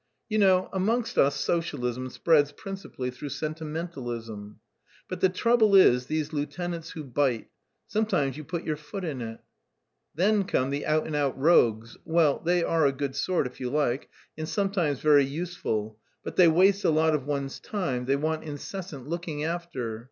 You know, amongst us socialism spreads principally through sentimentalism. But the trouble is these lieutenants who bite; sometimes you put your foot in it. Then come the out and out rogues; well, they are a good sort, if you like, and sometimes very useful; but they waste a lot of one's time, they want incessant looking after.